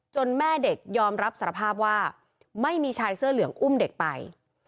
แม่เด็กยอมรับสารภาพว่าไม่มีชายเสื้อเหลืองอุ้มเด็กไป